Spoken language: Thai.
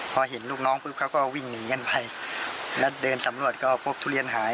พอเห็นลูกน้องปุ๊บเขาก็วิ่งหนีกันไปแล้วเดินสำรวจก็พบทุเรียนหาย